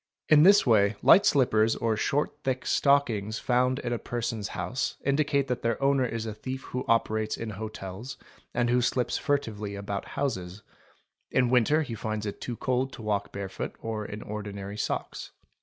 In this way light slippers or short thick stockings found in a person's house indicate that their owner is a thief who operates in hotels and who slips furtively about houses: in winter he finds it too cold to walk bare foot or in ordinary socks.